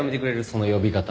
その呼び方。